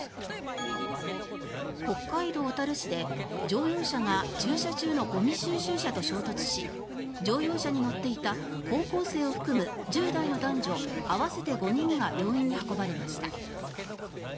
北海道小樽市で、乗用車が駐車中のゴミ収集車と衝突し乗用車に乗っていた高校生を含む１０代の男女合わせて５人が病院に運ばれました。